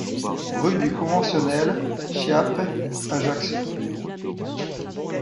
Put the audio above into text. Rue du Conventionnel Chiappe, Ajaccio